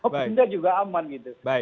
mereka juga aman